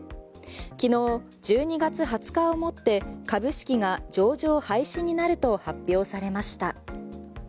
昨日１２月２０日をもって株式が上場廃止になると発表されました。